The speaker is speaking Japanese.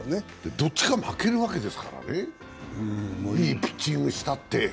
どっか負けるわけですからね、いいピッチングをしたって。